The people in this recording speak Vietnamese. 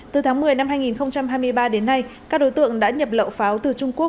từ tháng một mươi năm hai nghìn hai mươi ba đến nay các đối tượng đã nhập lậu pháo từ trung quốc